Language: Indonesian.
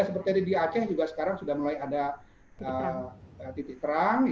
seperti di aceh juga sekarang sudah mulai ada titik terang